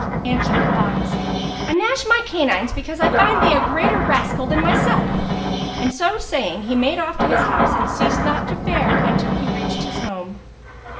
Answered the fox, "I gnash my canines because I find thee a greater rascal than myself;" and so saying he made off to his house and ceased not to fare until he reached his home.